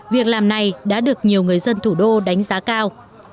việc làm này đã được nhiều người dân thủ đô đánh giá cao